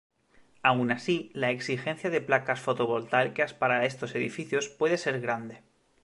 Aun así, la exigencia de placas fotovoltaicas para estos edificios puede ser grande.